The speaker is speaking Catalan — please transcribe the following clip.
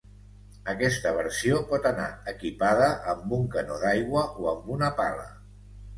Aquesta versió pot anar equipada amb un canó d'aigua o amb una pala.